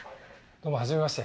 どうもはじめまして。